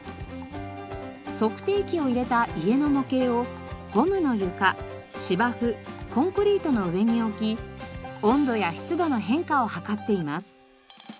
測定器を入れた家の模型をゴムの床芝生コンクリートの上に置き温度や湿度の変化を測っています。